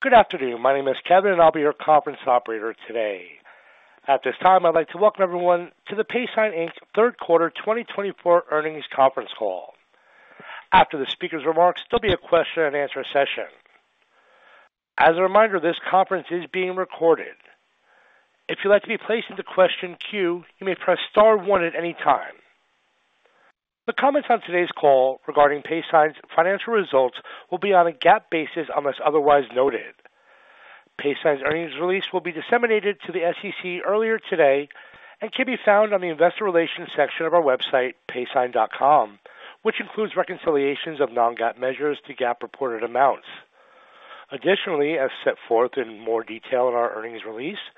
Good afternoon. My name is Kevin, and I'll be your conference operator today. At this time, I'd like to welcome everyone to the Paysign Inc. third quarter 2024 Earnings Conference Call. After the speaker's remarks, there'll be a question-and-answer session. As a reminder, this conference is being recorded. If you'd like to be placed into question queue, you may press star one at any time. The comments on today's call regarding Paysign's financial results will be on a GAAP basis unless otherwise noted. Paysign's earnings release will be disseminated to the SEC earlier today and can be found on the investor relations section of our website, paysign.com, which includes reconciliations of non-GAAP measures to GAAP-reported amounts. Additionally, as set forth in more detail in our earnings release,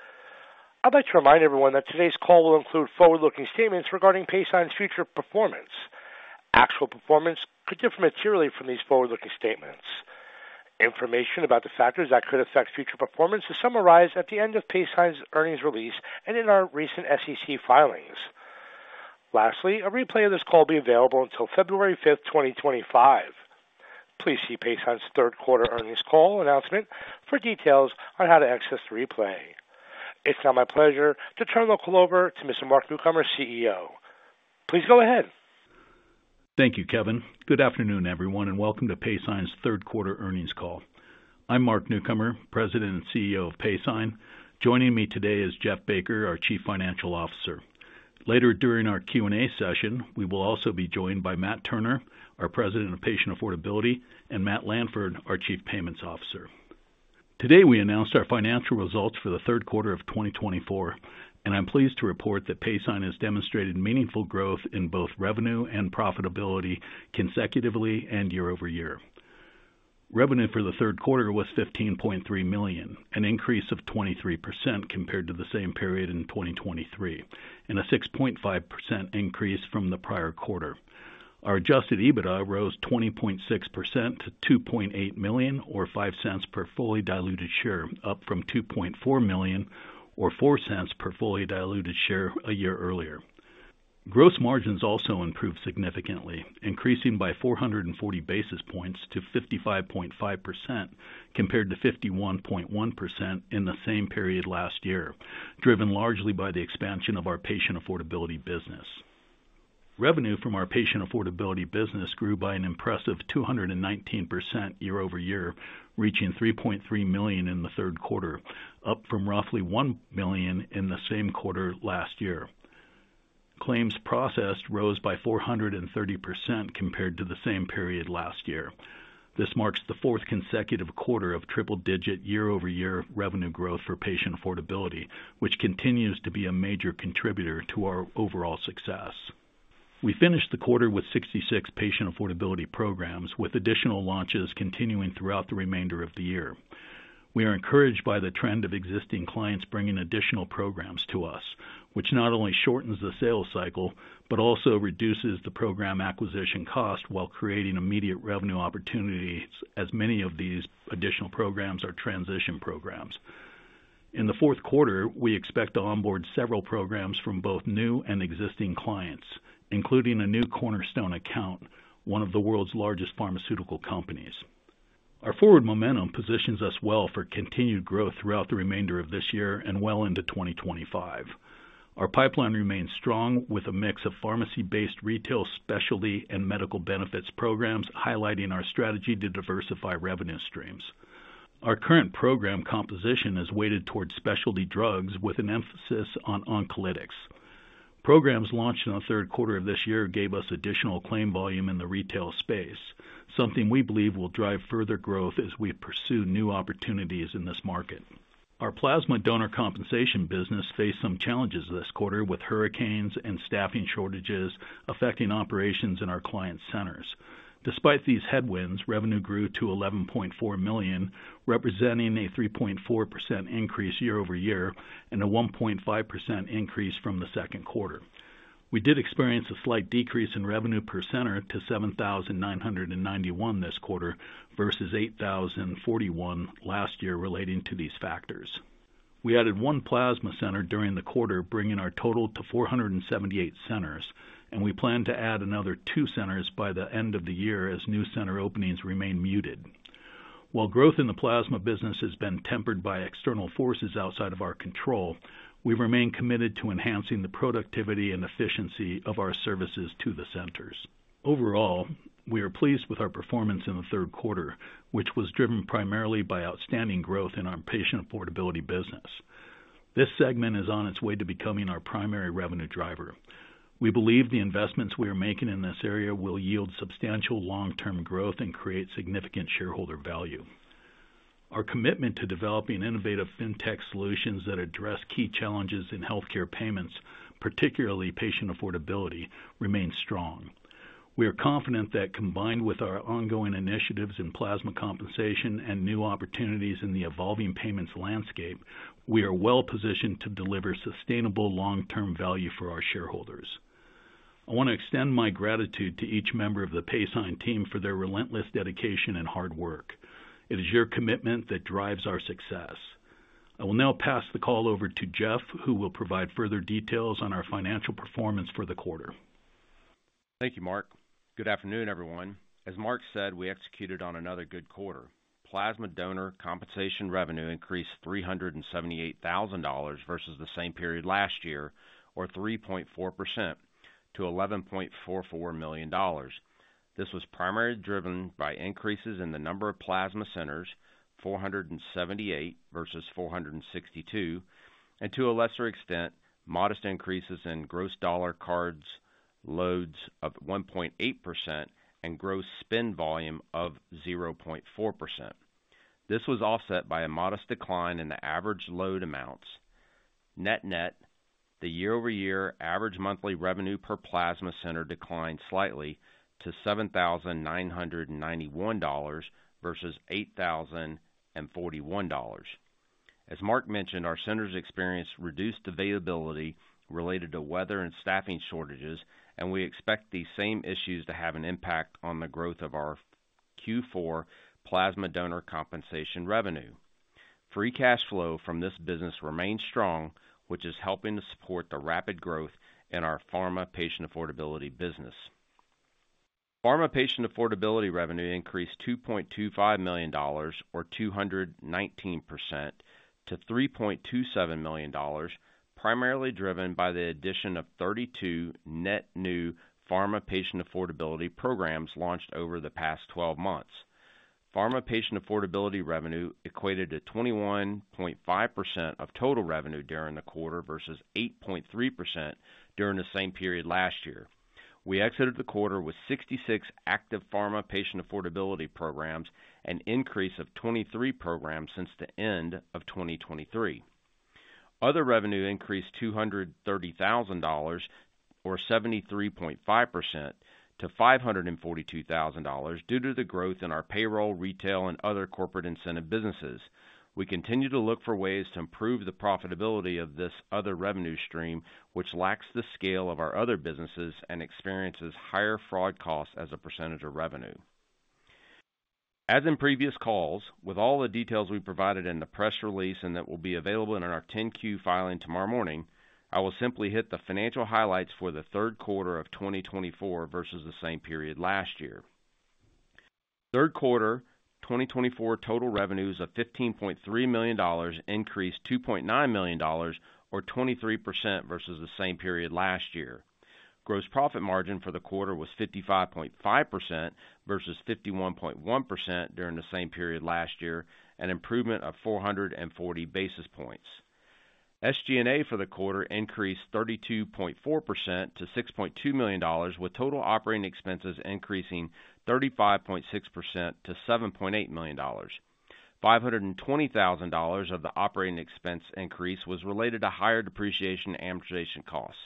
I'd like to remind everyone that today's call will include forward-looking statements regarding Paysign's future performance. Actual performance could differ materially from these forward-looking statements. Information about the factors that could affect future performance is summarized at the end of Paysign's earnings release and in our recent SEC filings. Lastly, a replay of this call will be available until February 5th, 2025. Please see Paysign's third quarter Earnings Call announcement for details on how to access the replay. It's now my pleasure to turn the call over to Mr. Mark Newcomer, CEO. Please go ahead. Thank you, Kevin. Good afternoon, everyone, and welcome to Paysign's third quarter Earnings Call. I'm Mark Newcomer, President and CEO of Paysign. Joining me today is Jeff Baker, our Chief Financial Officer. Later during our Q&A session, we will also be joined by Matt Turner, our President of Patient Affordability, and Matt Lanford, our Chief Payments Officer. Today, we announced our financial results for the third quarter of 2024, and I'm pleased to report that Paysign has demonstrated meaningful growth in both revenue and profitability consecutively and year over year. Revenue for the third quarter was $15.3 million, an increase of 23% compared to the same period in 2023, and a 6.5% increase from the prior quarter. Our Adjusted EBITDA rose 20.6% to $2.8 million, or $0.05 per fully diluted share, up from $2.4 million, or $0.04 per fully diluted share, a year earlier. Gross margins also improved significantly, increasing by 440 basis points to 55.5% compared to 51.1% in the same period last year, driven largely by the expansion of our patient affordability business. Revenue from our patient affordability business grew by an impressive 219% year over year, reaching $3.3 million in the third quarter, up from roughly $1 million in the same quarter last year. Claims processed rose by 430% compared to the same period last year. This marks the fourth consecutive quarter of triple-digit year-over-year revenue growth for patient affordability, which continues to be a major contributor to our overall success. We finished the quarter with 66 patient affordability programs, with additional launches continuing throughout the remainder of the year. We are encouraged by the trend of existing clients bringing additional programs to us, which not only shortens the sales cycle but also reduces the program acquisition cost while creating immediate revenue opportunities, as many of these additional programs are transition programs. In the fourth Quarter, we expect to onboard several programs from both new and existing clients, including a new Cornerstone account, one of the world's largest pharmaceutical companies. Our forward momentum positions us well for continued growth throughout the remainder of this year and well into 2025. Our pipeline remains strong, with a mix of pharmacy-based retail specialty and medical benefits programs highlighting our strategy to diversify revenue streams. Our current program composition is weighted towards specialty drugs, with an emphasis on oncolytics. Programs launched in the third quarter of this year gave us additional claim volume in the retail space, something we believe will drive further growth as we pursue new opportunities in this market. Our plasma donor compensation business faced some challenges this quarter with hurricanes and staffing shortages affecting operations in our client centers. Despite these headwinds, revenue grew to $11.4 million, representing a 3.4% increase year over year and a 1.5% increase from the second quarter. We did experience a slight decrease in revenue per center to $7,991 this quarter versus $8,041 last year relating to these factors. We added one plasma center during the quarter, bringing our total to 478 centers, and we plan to add another two centers by the end of the year as new center openings remain muted. While growth in the plasma business has been tempered by external forces outside of our control, we remain committed to enhancing the productivity and efficiency of our services to the centers. Overall, we are pleased with our performance in the third quarter, which was driven primarily by outstanding growth in our patient affordability business. This segment is on its way to becoming our primary revenue driver. We believe the investments we are making in this area will yield substantial long-term growth and create significant shareholder value. Our commitment to developing innovative fintech solutions that address key challenges in healthcare payments, particularly patient affordability, remains strong. We are confident that, combined with our ongoing initiatives in plasma compensation and new opportunities in the evolving payments landscape, we are well-positioned to deliver sustainable long-term value for our shareholders. I want to extend my gratitude to each member of the Paysign team for their relentless dedication and hard work. It is your commitment that drives our success. I will now pass the call over to Jeff, who will provide further details on our financial performance for the quarter. Thank you, Mark. Good afternoon, everyone. As Mark said, we executed on another good quarter. Plasma donor compensation revenue increased $378,000 versus the same period last year, or 3.4% to $11.44 million. This was primarily driven by increases in the number of plasma centers, 478 versus 462, and to a lesser extent, modest increases in gross dollar card loads of 1.8% and gross spend volume of 0.4%. This was offset by a modest decline in the average load amounts. Net-net, the year-over-year average monthly revenue per plasma center declined slightly to $7,991 versus $8,041. As Mark mentioned, our centers experienced reduced availability related to weather and staffing shortages, and we expect these same issues to have an impact on the growth of our Q4 plasma donor compensation revenue. Free cash flow from this business remains strong, which is helping to support the rapid growth in our pharma patient affordability business. Pharma patient affordability revenue increased $2.25 million, or 219% to $3.27 million, primarily driven by the addition of 32 net-new pharma patient affordability programs launched over the past 12 months. Pharma patient affordability revenue equated to 21.5% of total revenue during the quarter versus 8.3% during the same period last year. We exited the quarter with 66 active pharma patient affordability programs and an increase of 23 programs since the end of 2023. Other revenue increased $230,000, or 73.5% to $542,000 due to the growth in our payroll, retail, and other corporate incentive businesses. We continue to look for ways to improve the profitability of this other revenue stream, which lacks the scale of our other businesses and experiences higher fraud costs as a percentage of revenue. As in previous calls, with all the details we provided in the press release and that will be available in our 10Q filing tomorrow morning, I will simply hit the financial highlights for the third quarter of 2024 versus the same period last year. third quarter 2024 total revenues of $15.3 million increased $2.9 million, or 23% versus the same period last year. Gross profit margin for the quarter was 55.5% versus 51.1% during the same period last year, an improvement of 440 basis points. SG&A for the quarter increased 32.4% to $6.2 million, with total operating expenses increasing 35.6% to $7.8 million. $520,000 of the operating expense increase was related to higher depreciation amortization costs.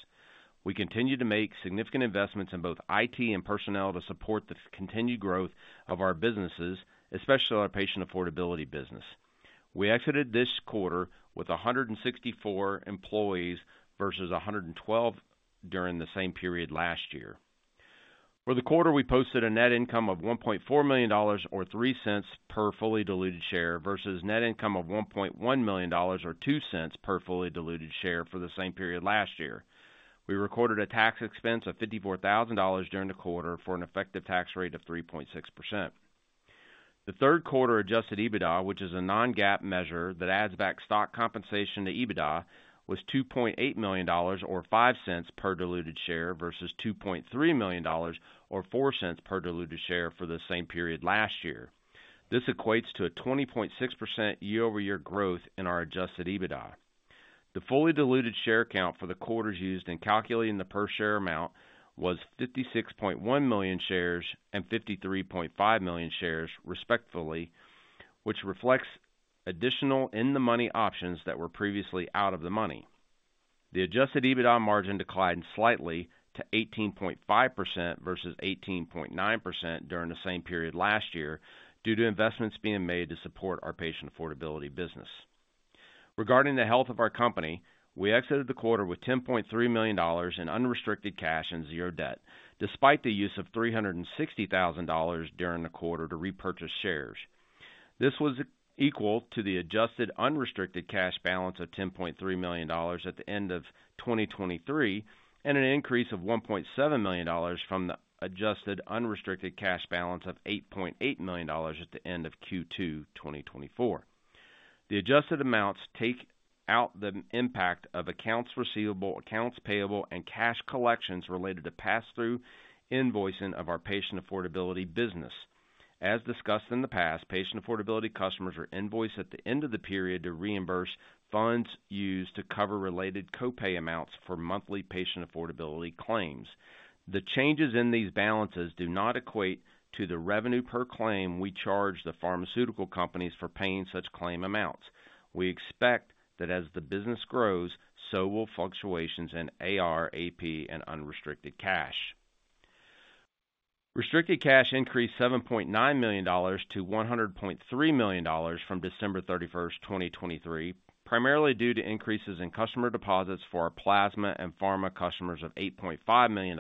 We continue to make significant investments in both IT and personnel to support the continued growth of our businesses, especially our patient affordability business. We exited this quarter with 164 employees versus 112 during the same period last year. For the quarter, we posted a net income of $1.4 million, or 3 cents per fully diluted share, versus a net income of $1.1 million, or 2 cents per fully diluted share for the same period last year. We recorded a tax expense of $54,000 during the quarter for an effective tax rate of 3.6%. The third quarter Adjusted EBITDA, which is a non-GAAP measure that adds back stock compensation to EBITDA, was $2.8 million, or 5 cents per diluted share, versus $2.3 million, or 4 cents per diluted share for the same period last year. This equates to a 20.6% year-over-year growth in our Adjusted EBITDA. The fully diluted share count for the quarters used in calculating the per-share amount was 56.1 million shares and 53.5 million shares, respectively, which reflects additional in-the-money options that were previously out of the money. The Adjusted EBITDA margin declined slightly to 18.5% versus 18.9% during the same period last year due to investments being made to support our patient affordability business. Regarding the health of our company, we exited the quarter with $10.3 million in unrestricted cash and zero debt, despite the use of $360,000 during the quarter to repurchase shares. This was equal to the adjusted unrestricted cash balance of $10.3 million at the end of 2023 and an increase of $1.7 million from the adjusted unrestricted cash balance of $8.8 million at the end of Q2 2024. The adjusted amounts take out the impact of accounts receivable, accounts payable, and cash collections related to pass-through invoicing of our patient affordability business. As discussed in the past, patient affordability customers are invoiced at the end of the period to reimburse funds used to cover related copay amounts for monthly patient affordability claims. The changes in these balances do not equate to the revenue per claim we charge the pharmaceutical companies for paying such claim amounts. We expect that as the business grows, so will fluctuations in AR, AP, and unrestricted cash. Restricted cash increased $7.9 million to $100.3 million from December 31, 2023, primarily due to increases in customer deposits for our plasma and pharma customers of $8.5 million,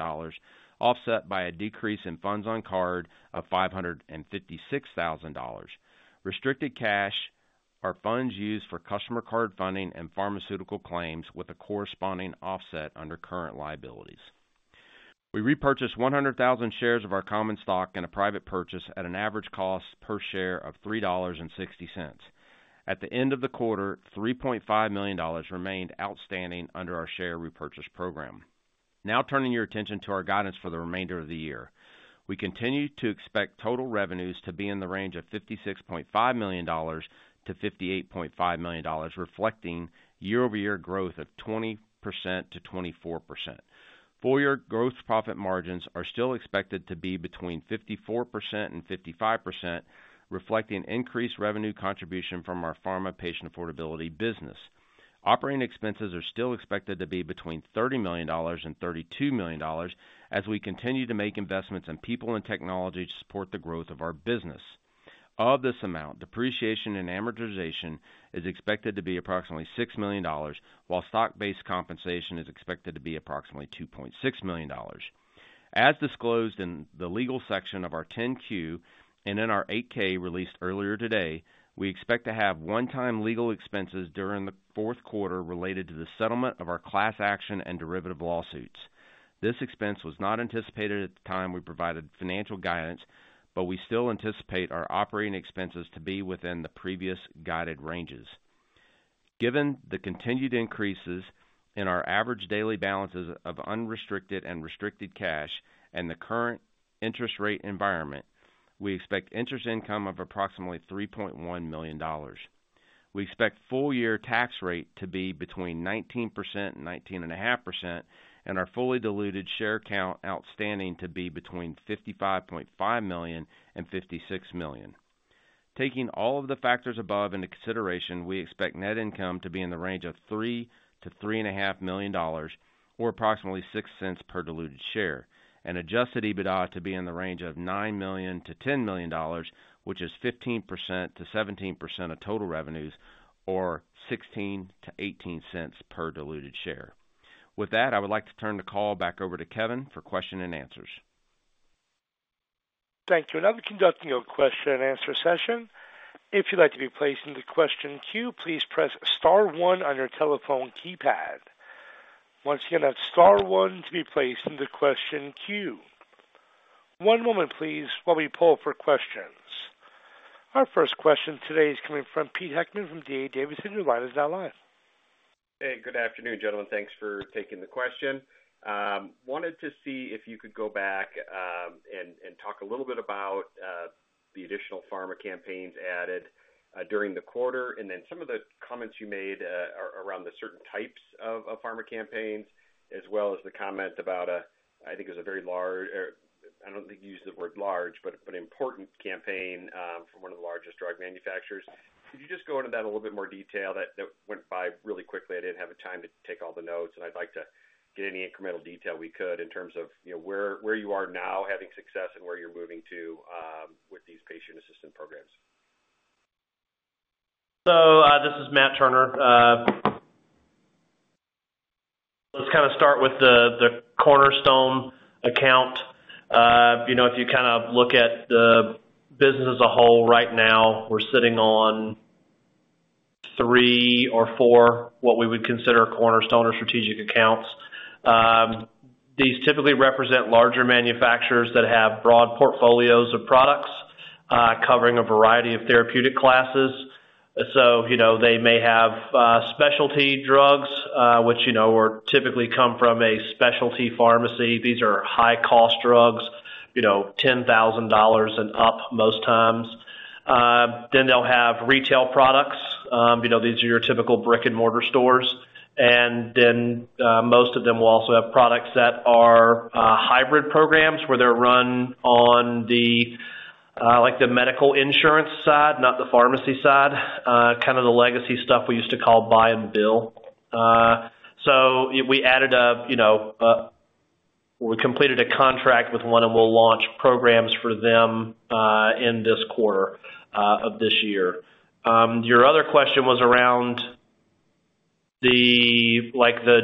offset by a decrease in funds on card of $556,000. Restricted cash are funds used for customer card funding and pharmaceutical claims with a corresponding offset under current liabilities. We repurchased 100,000 shares of our common stock in a private purchase at an average cost per share of $3.60. At the end of the quarter, $3.5 million remained outstanding under our share repurchase program. Now turning your attention to our guidance for the remainder of the year. We continue to expect total revenues to be in the range of $56.5 million-$58.5 million, reflecting year-over-year growth of 20%-24%. Full-year gross profit margins are still expected to be between 54% and 55%, reflecting increased revenue contribution from our pharma patient affordability business. Operating expenses are still expected to be between $30 million and $32 million as we continue to make investments in people and technology to support the growth of our business. Of this amount, depreciation and amortization is expected to be approximately $6 million, while stock-based compensation is expected to be approximately $2.6 million. As disclosed in the legal section of our 10Q and in our 8K released earlier today, we expect to have one-time legal expenses during the fourth Quarter related to the settlement of our class action and derivative lawsuits. This expense was not anticipated at the time we provided financial guidance, but we still anticipate our operating expenses to be within the previous guided ranges. Given the continued increases in our average daily balances of unrestricted and restricted cash and the current interest rate environment, we expect interest income of approximately $3.1 million. We expect full-year tax rate to be between 19% and 19.5%, and our fully diluted share count outstanding to be between $55.5 million and $56 million. Taking all of the factors above into consideration, we expect net income to be in the range of $3 million-$3.5 million, or approximately $0.06 per diluted share, and Adjusted EBITDA to be in the range of $9 million-$10 million, which is 15%-17% of total revenues, or $0.16-$0.18 per diluted share. With that, I would like to turn the call back over to Kevin for question and answers. Thank you. Now we're conducting a question and answer session. If you'd like to be placed in the question queue, please press star one on your telephone keypad. Once again, that's star one to be placed in the question queue. One moment, please, while we pull up our questions. Our first question today is coming from Pete Heckman from D.A. Davidson, who's joining us now live. Hey, good afternoon, gentlemen. Thanks for taking the question. Wanted to see if you could go back and talk a little bit about the additional pharma campaigns added during the quarter, and then some of the comments you made around the certain types of pharma campaigns, as well as the comment about, I think it was a very large, I don't think you used the word large, but important, campaign from one of the largest drug manufacturers. Could you just go into that a little bit more detail? That went by really quickly. I didn't have a time to take all the notes, and I'd like to get any incremental detail we could in terms of where you are now having success and where you're moving to with these patient assistance programs. So this is Matt Turner. Let's kind of start with the cornerstone account. If you kind of look at the business as a whole right now, we're sitting on three or four, what we would consider cornerstone or strategic accounts. These typically represent larger manufacturers that have broad portfolios of products covering a variety of therapeutic classes. So they may have specialty drugs, which typically come from a specialty pharmacy. These are high-cost drugs, $10,000 and up most times. Then they'll have retail products. These are your typical brick-and-mortar stores. And then most of them will also have products that are hybrid programs where they're run on the medical insurance side, not the pharmacy side, kind of the legacy stuff we used to call buy and bill. So we completed a contract with one and will launch programs for them in this quarter of this year. Your other question was around the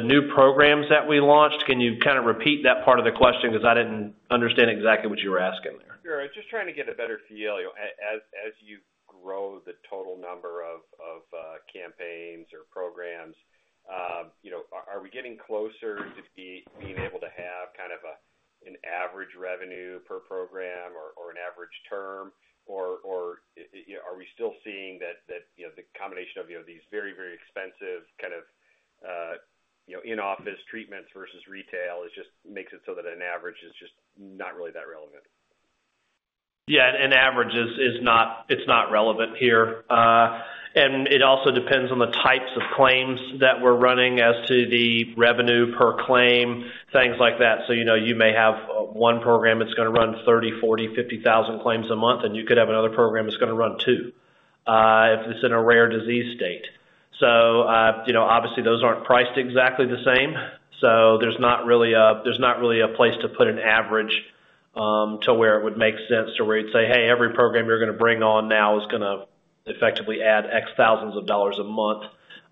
new programs that we launched. Can you kind of repeat that part of the question? Because I didn't understand exactly what you were asking there. Sure. I was just trying to get a better feel. As you grow the total number of campaigns or programs, are we getting closer to being able to have kind of an average revenue per program or an average term? Or are we still seeing that the combination of these very, very expensive kind of in-office treatments versus retail just makes it so that an average is just not really that relevant? Yeah. An average is not relevant here. And it also depends on the types of claims that we're running as to the revenue per claim, things like that. So you may have one program that's going to run 30, 40, 50 thousand claims a month, and you could have another program that's going to run two if it's in a rare disease state. So obviously, those aren't priced exactly the same. So there's not really a place to put an average to where it would make sense to where you'd say, "Hey, every program you're going to bring on now is going to effectively add X thousands of dollars a month."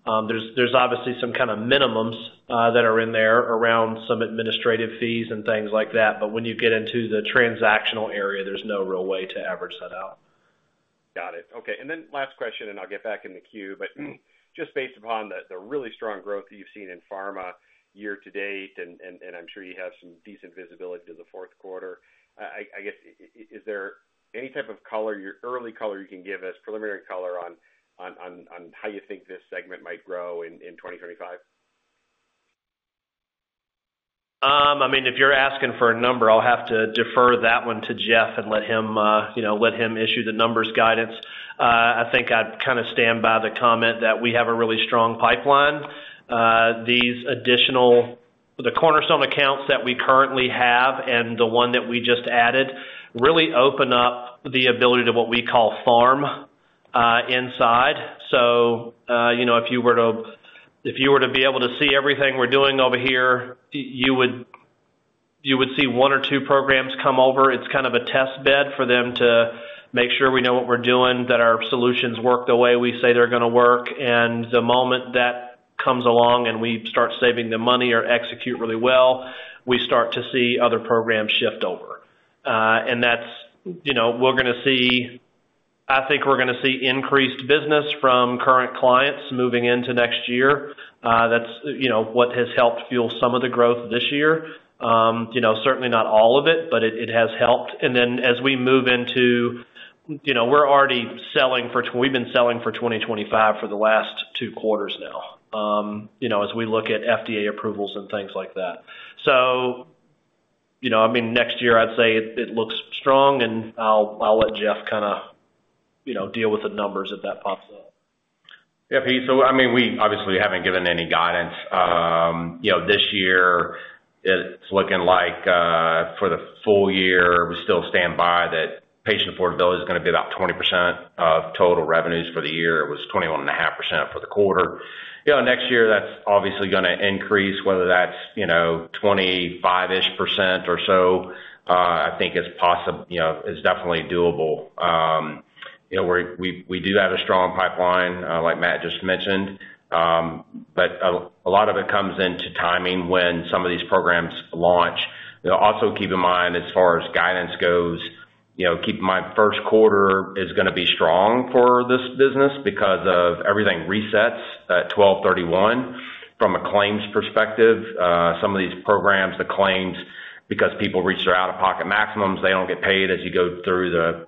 There's obviously some kind of minimums that are in there around some administrative fees and things like that. But when you get into the transactional area, there's no real way to average that out. Got it. Okay. And then last question, and I'll get back in the queue. But just based upon the really strong growth that you've seen in pharma year to date, and I'm sure you have some decent visibility to the fourth quarter, I guess, is there any type of color, early color you can give us, preliminary color on how you think this segment might grow in 2025? I mean, if you're asking for a number, I'll have to defer that one to Jeff and let him issue the numbers guidance. I think I'd kind of stand by the comment that we have a really strong pipeline. The cornerstone accounts that we currently have and the one that we just added really open up the ability to what we call farm inside. So if you were to be able to see everything we're doing over here, you would see one or two programs come over. It's kind of a test bed for them to make sure we know what we're doing, that our solutions work the way we say they're going to work. And the moment that comes along and we start saving the money or execute really well, we start to see other programs shift over. I think we're going to see increased business from current clients moving into next year. That's what has helped fuel some of the growth this year. Certainly not all of it, but it has helped. We've been selling for 2025 for the last two quarters now as we look at FDA approvals and things like that. I mean, next year, I'd say it looks strong, and I'll let Jeff kind of deal with the numbers if that pops up. Yeah, Pete. So I mean, we obviously haven't given any guidance. This year, it's looking like for the full year, we still stand by that patient affordability is going to be about 20% of total revenues for the year. It was 21.5% for the quarter. Next year, that's obviously going to increase, whether that's 25-ish percent or so. I think it's definitely doable. We do have a strong pipeline, like Matt just mentioned. But a lot of it comes into timing when some of these programs launch. Also keep in mind, as far as guidance goes, keep in mind first quarter is going to be strong for this business because of everything resets at 12/31. From a claims perspective, some of these programs, the claims, because people reach their out-of-pocket maximums, they don't get paid as you go through the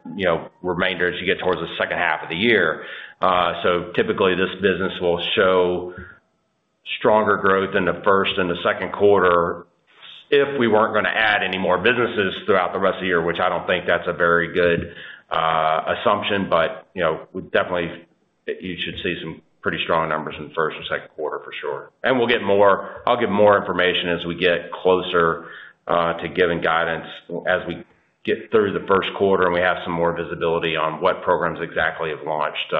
remainder as you get towards the second half of the year. So typically, this business will show stronger growth in the first and the second quarter if we weren't going to add any more businesses throughout the rest of the year, which I don't think that's a very good assumption. But definitely, you should see some pretty strong numbers in the first and second quarter for sure. And I'll get more information as we get closer to giving guidance as we get through the first quarter and we have some more visibility on what programs exactly have launched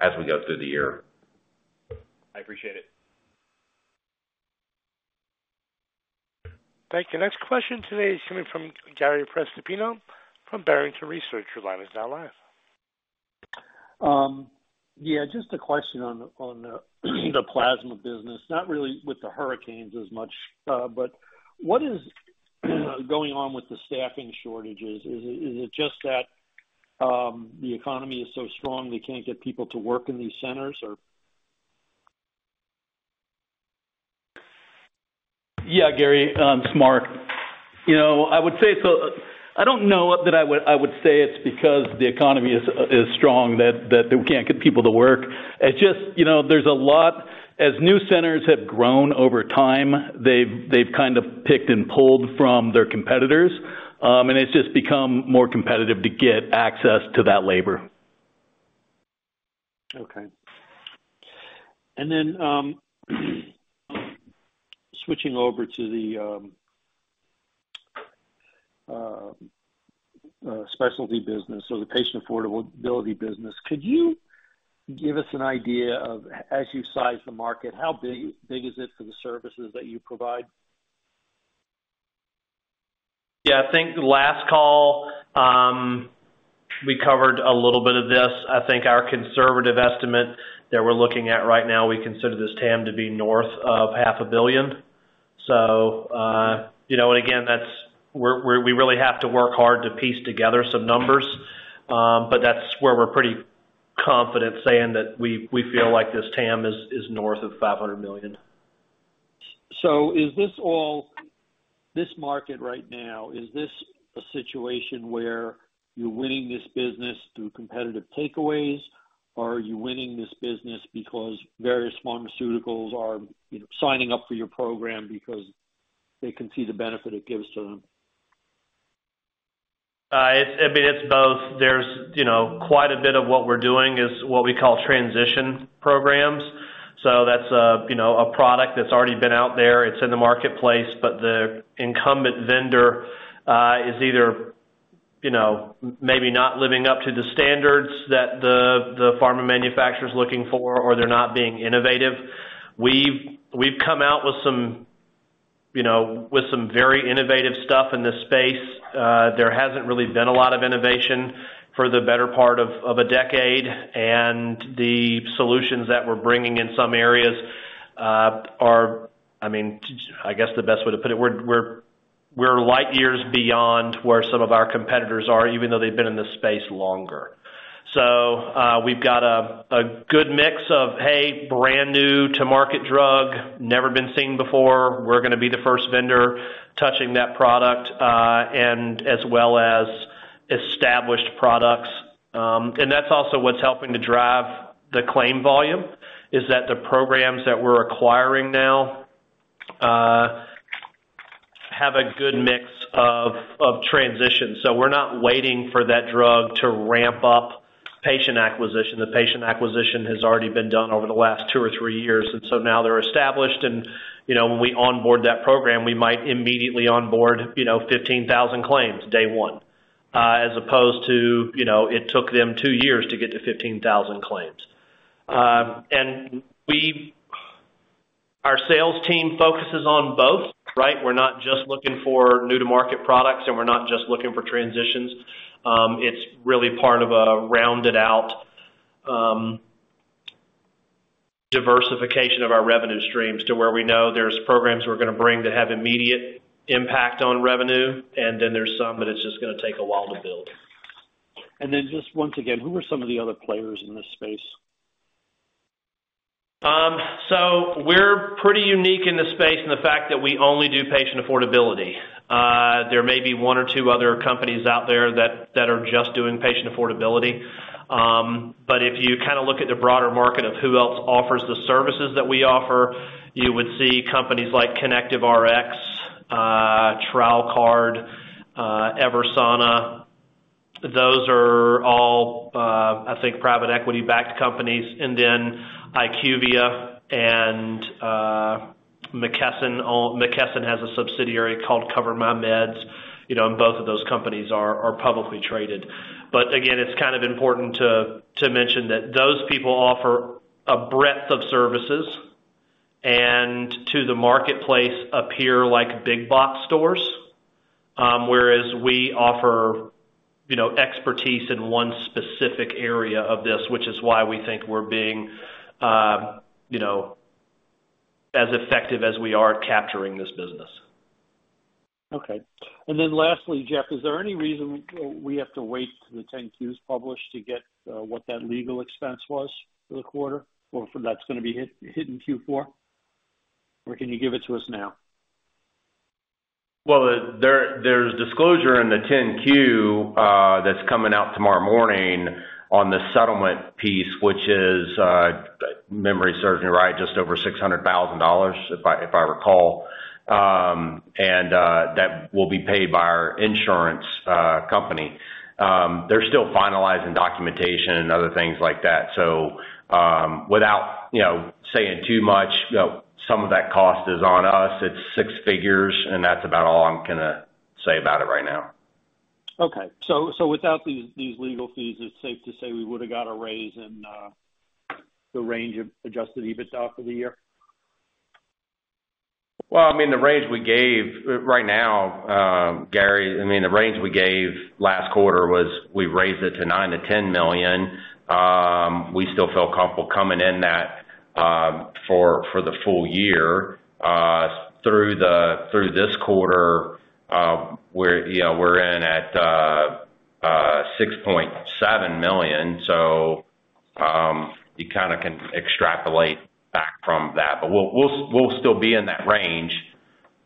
as we go through the year. I appreciate it. Thank you. Next question today is coming from Gary Prestopino from Barrington Research. Your line is now live. Yeah. Just a question on the plasma business, not really with the hurricanes as much, but what is going on with the staffing shortages? Is it just that the economy is so strong they can't get people to work in these centers? Yeah, Gary. It's Mark. I would say so. I don't know that I would say it's because the economy is strong that we can't get people to work. It's just there's a lot as new centers have grown over time, they've kind of picked and pulled from their competitors, and it's just become more competitive to get access to that labor. Okay. And then switching over to the specialty business or the patient affordability business, could you give us an idea of, as you size the market, how big is it for the services that you provide? Yeah. I think the last call, we covered a little bit of this. I think our conservative estimate that we're looking at right now, we consider this TAM to be north of $500 million. So again, we really have to work hard to piece together some numbers, but that's where we're pretty confident saying that we feel like this TAM is north of $500 million. So, is this all this market right now, is this a situation where you're winning this business through competitive takeaways, or are you winning this business because various pharmaceuticals are signing up for your program because they can see the benefit it gives to them? I mean, it's both. There's quite a bit of what we're doing is what we call transition programs. So that's a product that's already been out there. It's in the marketplace, but the incumbent vendor is either maybe not living up to the standards that the pharma manufacturer is looking for, or they're not being innovative. We've come out with some very innovative stuff in this space. There hasn't really been a lot of innovation for the better part of a decade. And the solutions that we're bringing in some areas are, I mean, I guess the best way to put it, we're light years beyond where some of our competitors are, even though they've been in this space longer. So we've got a good mix of, hey, brand new to market drug, never been seen before. We're going to be the first vendor touching that product, and as well as established products. And that's also what's helping to drive the claim volume, is that the programs that we're acquiring now have a good mix of transition. So we're not waiting for that drug to ramp up patient acquisition. The patient acquisition has already been done over the last two or three years. And so now they're established. And when we onboard that program, we might immediately onboard 15,000 claims day one, as opposed to it took them two years to get to 15,000 claims. And our sales team focuses on both, right? We're not just looking for new-to-market products, and we're not just looking for transitions. It's really part of a rounded-out diversification of our revenue streams to where we know there's programs we're going to bring that have immediate impact on revenue, and then there's some that it's just going to take a while to build. Just once again, who are some of the other players in this space? So we're pretty unique in the space in the fact that we only do patient affordability. There may be one or two other companies out there that are just doing patient affordability. But if you kind of look at the broader market of who else offers the services that we offer, you would see companies like ConnectiveRx, TrialCard, EVERSANA. Those are all, I think, private equity-backed companies. And then IQVIA and McKesson. McKesson has a subsidiary called CoverMyMeds. And both of those companies are publicly traded. But again, it's kind of important to mention that those people offer a breadth of services and to the marketplace appear like big-box stores, whereas we offer expertise in one specific area of this, which is why we think we're being as effective as we are at capturing this business. Okay. And then lastly, Jeff, is there any reason we have to wait till the 10Q's published to get what that legal expense was for the quarter or that's going to be hit in Q4? Or can you give it to us now? There's disclosure in the 10Q that's coming out tomorrow morning on the settlement piece, which, if memory serves me right, is just over $600,000, if I recall. That will be paid by our insurance company. They're still finalizing documentation and other things like that. Without saying too much, some of that cost is on us. It's six figures, and that's about all I'm going to say about it right now. Okay. So without these legal fees, it's safe to say we would have got a raise in the range of Adjusted EBITDA for the year? I mean, the range we gave right now, Gary, I mean, the range we gave last quarter was we raised it to $9 million-$10 million. We still felt comfortable coming in that for the full year. Through this quarter, we're in at $6.7 million. So you kind of can extrapolate back from that. But we'll still be in that range.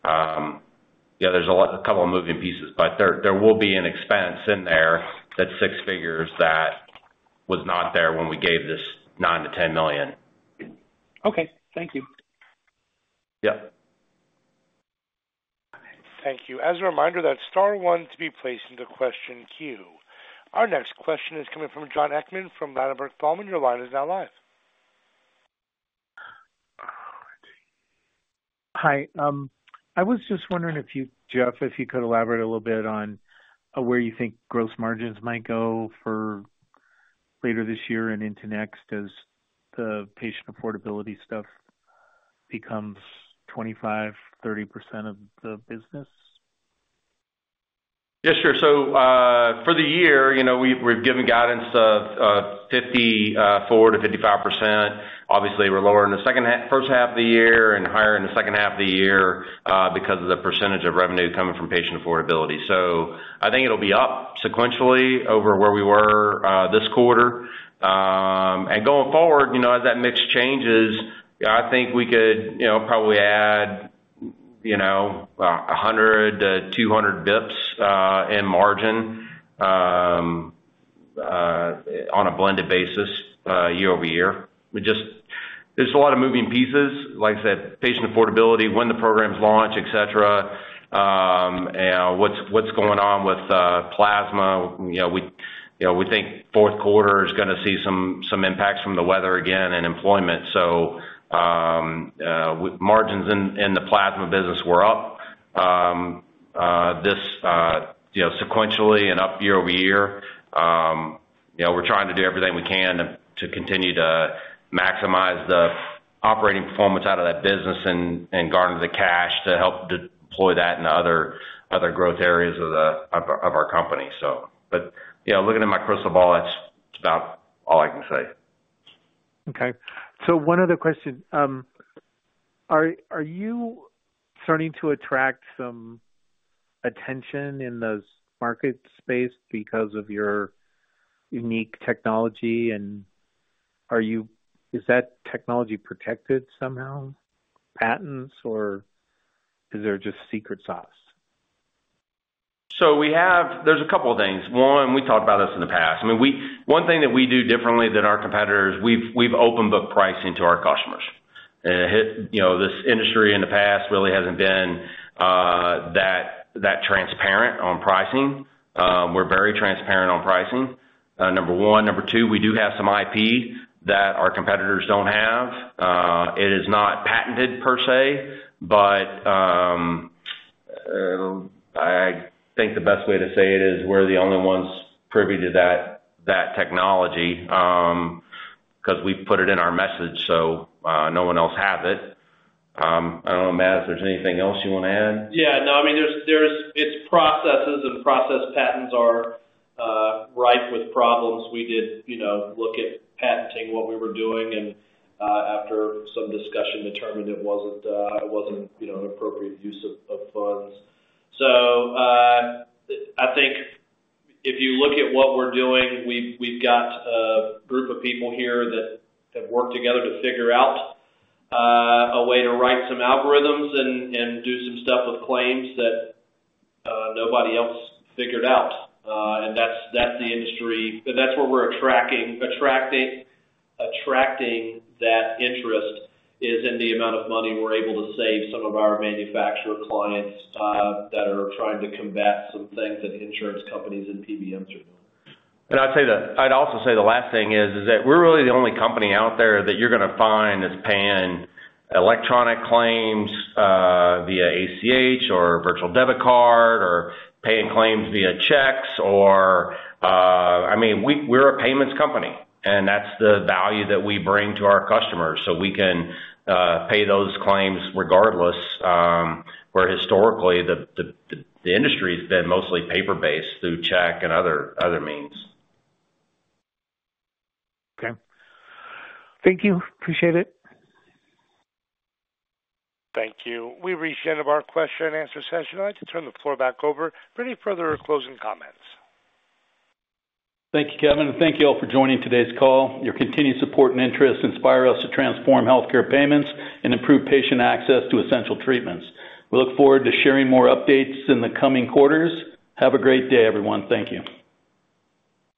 Yeah, there's a couple of moving pieces, but there will be an expense in there that's six figures that was not there when we gave this $9 million-$10 million. Okay. Thank you. Yeah. Thank you. As a reminder, that star one to be placed into the question queue. Our next question is coming from Jon Hickman from Ladenburg Thalmann. Your line is now live. Hi. I was just wondering if you, Jeff, if you could elaborate a little bit on where you think gross margins might go for later this year and into next as the patient affordability stuff becomes 25%-30% of the business? Yeah, sure. So for the year, we've given guidance of 54%-55%. Obviously, we're lower in the first half of the year and higher in the second half of the year because of the percentage of revenue coming from patient affordability. So I think it'll be up sequentially over where we were this quarter. And going forward, as that mix changes, I think we could probably add 100 to 200 basis points in margin on a blended basis year over year. There's a lot of moving pieces. Like I said, patient affordability, when the programs launch, etc., what's going on with plasma. We think fourth quarter is going to see some impacts from the weather again and employment. So margins in the plasma business were up sequentially and up year over year. We're trying to do everything we can to continue to maximize the operating performance out of that business and garner the cash to help deploy that in other growth areas of our company. But looking at my crystal ball, that's about all I can say. Okay. So one other question. Are you starting to attract some attention in those market space because of your unique technology? And is that technology protected somehow, patents, or is there just secret sauce? So there's a couple of things. One, we talked about this in the past. I mean, one thing that we do differently than our competitors, we've opened book pricing to our customers. This industry in the past really hasn't been that transparent on pricing. We're very transparent on pricing, number one. Number two, we do have some IP that our competitors don't have. It is not patented per se, but I think the best way to say it is we're the only ones privy to that technology because we put it in our message, so no one else has it. I don't know, Matt, if there's anything else you want to add. Yeah. No, I mean, it's processes, and process patents are rife with problems. We did look at patenting what we were doing, and after some discussion, determined it wasn't an appropriate use of funds. So I think if you look at what we're doing, we've got a group of people here that have worked together to figure out a way to write some algorithms and do some stuff with claims that nobody else figured out. And that's the industry. That's where we're attracting that interest is in the amount of money we're able to save some of our manufacturer clients that are trying to combat some things that insurance companies and PBMs are doing. I'd say the last thing is that we're really the only company out there that you're going to find is paying electronic claims via ACH or virtual debit card or paying claims via checks. I mean, we're a payments company, and that's the value that we bring to our customers. We can pay those claims regardless where historically the industry has been mostly paper-based through check and other means. Okay. Thank you. Appreciate it. Thank you. We've reached the end of our question and answer session. I'd like to turn the floor back over for any further closing comments. Thank you, Kevin, and thank you all for joining today's call. Your continued support and interest inspire us to transform healthcare payments and improve patient access to essential treatments. We look forward to sharing more updates in the coming quarters. Have a great day, everyone. Thank you.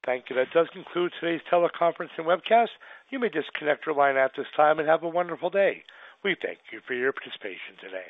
Thank you. That does conclude today's teleconference and webcast. You may disconnect your line at this time and have a wonderful day. We thank you for your participation today.